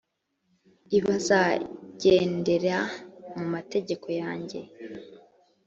i bazagendera mu mategeko yanjye